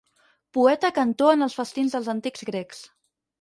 Poeta cantor en els festins dels antics grecs.